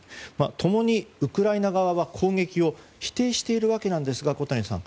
共にウクライナ側は攻撃を否定しているわけですが小谷さん